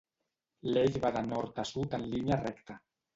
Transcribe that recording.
L'eix va de nord a sud en línia recta.